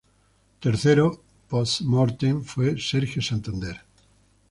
Tercero "Post Mortem" fue Sergio Santander.